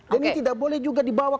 jadi tidak boleh juga dibawa